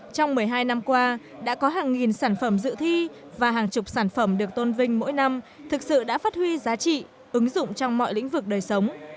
trong một mươi hai năm qua đã có hàng nghìn sản phẩm dự thi và hàng chục sản phẩm được tôn vinh mỗi năm thực sự đã phát huy giá trị ứng dụng trong mọi lĩnh vực đời sống